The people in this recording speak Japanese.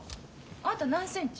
あんた何センチ？